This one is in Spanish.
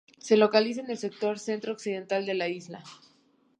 Se localiza en el sector centro-occidental de la isla.